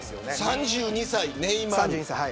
３２歳のネイマール。